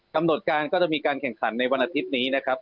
กำหนดการก็จะมีการแข่งขันในวันอาทิตย์นี้นะครับ